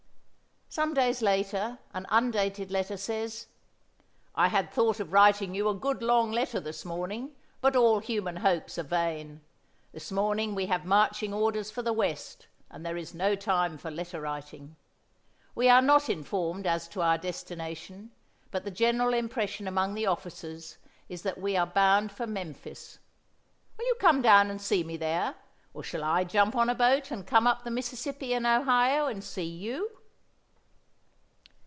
Some days later an undated letter says: "I had thought of writing you a good long letter this morning, but all human hopes are vain. This morning we have marching orders for the west, and there is no time for letter writing. We are not informed as to our destination, but the general impression among the officers is that we are bound for Memphis. Will you come down to see me there, or shall I jump on a boat and come up the Mississippi and Ohio and see you?"